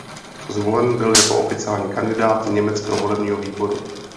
Zvolen byl jako oficiální kandidát německého volebního výboru.